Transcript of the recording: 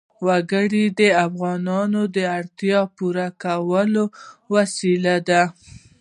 وګړي د افغانانو د اړتیاوو د پوره کولو وسیله ده.